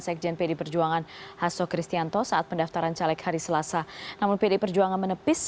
sekjen pd perjuangan hasso kristianto saat pendaftaran caleg hari selasa namun pdi perjuangan menepis